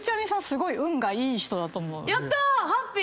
すごい運がいい人だと思う。